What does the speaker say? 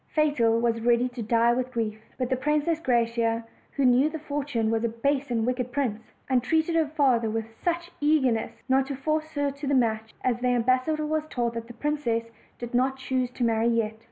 Fatal was ready to die with grief; but the Princess Graciosa, who knew that Fortune was a base and wicked prince, entreated her father with such ear nestness, not to force her to the match that the ambas sador was told the princess did not choose to marry yet.